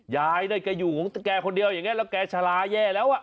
ยายแกอยู่เป็นแกคนเดียวและแกชลาแย่แล้ว